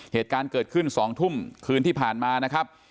เหตุการณ์เกิดขึ้น๒ทุ่มคืนที่ผ่านมานะครับ